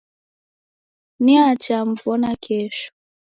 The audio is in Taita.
Niacha mw'ona kesho